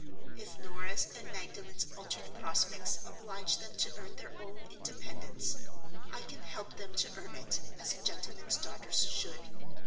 If Norah's and Magdalen's altered prospects oblige them to earn their own independence, I can help them to earn it, as a gentleman's daughters should.